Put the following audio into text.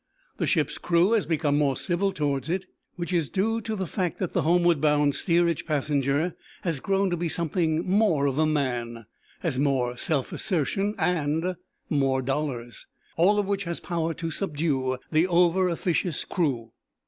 The ship's crew has become more civil towards it, which is due to the fact that the homeward bound steerage passenger has grown to be something more of a man, has more self assertion and more dollars; all of which has power to subdue the over officious crew.